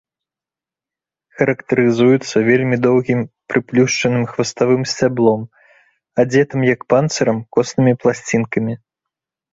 Характарызуюцца вельмі доўгім прыплюшчаным хваставым сцяблом, адзетым, як панцырам, коснымі пласцінкамі.